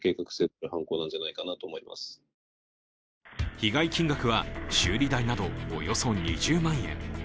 被害金額は修理代などおよそ２０万円。